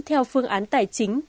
theo phương án tài chính